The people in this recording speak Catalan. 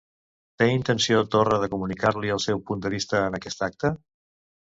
Té intenció Torra de comunicar-li el seu punt de vista en aquest acte?